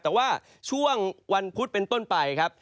แต่ว่าช่วงวันพุธเป็นต้นไปครับ